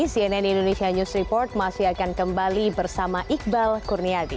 cnn indonesia news report masih akan kembali bersama iqbal kurniadi